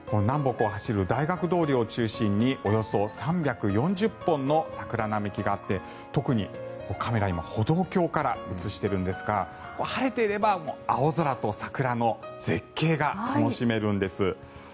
南部を走る大学通りを中心におよそ３４０本の桜並木があって特にカメラは今歩道橋から映しているんですが晴れていれば青空と桜の絶景が楽しめるんです。